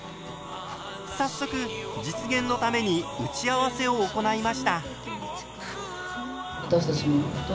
早速実現のために打ち合わせを行いました。